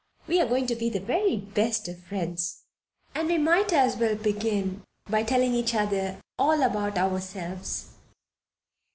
"We are going to be the very best of friends, and we might as well begin by telling each other all about ourselves.